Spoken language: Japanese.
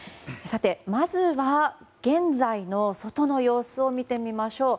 まずは、現在の外の様子を見てみましょう。